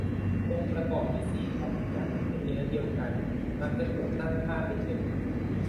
องค์ประกอบที่สี่ของพิกัดที่เป็นเนื้อเดียวกันมักจะถูกตั้งค่าเป็นหนึ่ง